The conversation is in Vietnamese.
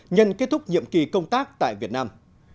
nhân kết thúc nhiệm kỳ công tác tại việt nam